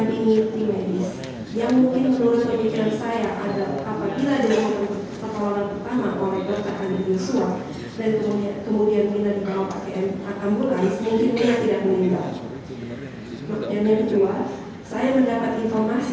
bahwa keadilan masih saya dapatkan di persidangan ini